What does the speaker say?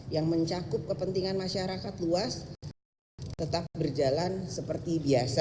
yang mencakup kepentingan masyarakat luas tetap berjalan seperti biasa